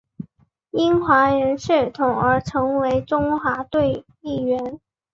因华人血统而成为中华队一员。